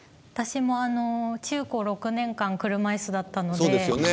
私も、中高６年間車いすだったので